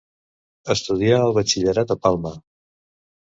Estudià el batxillerat a Palma.